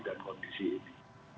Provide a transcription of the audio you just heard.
dan kondisi ini